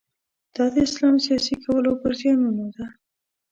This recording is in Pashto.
دا د اسلام سیاسي کولو پر زیانونو ده.